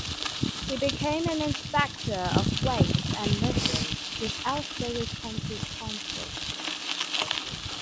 He became an inspector of weights and measures with Aylesbury County Council.